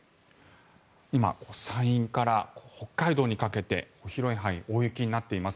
今、山陰から北海道にかけて広い範囲で大雪になっています。